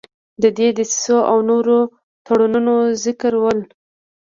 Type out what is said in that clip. د دې دسیسو او نورو تړونونو ذکرول.